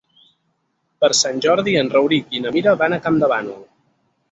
Per Sant Jordi en Rauric i na Mira van a Campdevànol.